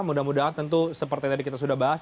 mudah mudahan tentu seperti tadi kita sudah bahas